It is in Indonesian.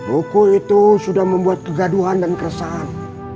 hukum itu sudah membuat kegaduhan dan keresahan